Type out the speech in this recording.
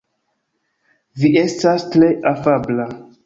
Vi estas tre afabla.